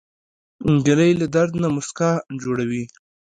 نجلۍ له درد نه موسکا جوړوي.